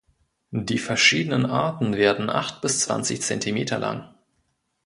Die verschiedenen Arten werden acht bis zwanzig Zentimeter lang.